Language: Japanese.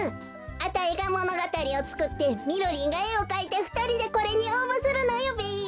あたいがものがたりをつくってみろりんがえをかいてふたりでこれにおうぼするのよべ。